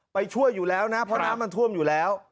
ไปช่วยอยู่แล้วนะเพราะน้ำมันท่วมอยู่แล้ว